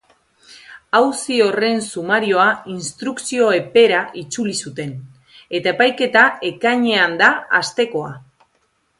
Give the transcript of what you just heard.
Auzi horren sumarioa instrukzio epera itzuli zuten, eta epaiketa ekainean da hastekoa.